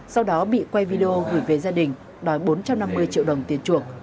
sau đó bị quay video gửi về gia đình đòi bốn trăm năm mươi triệu đồng tiền chuộc